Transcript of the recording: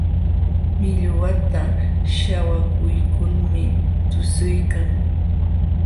Millwata śhawakuykulmi tuśhuykan.